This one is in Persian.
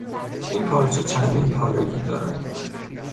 این پارچه چندین پارگی دارد.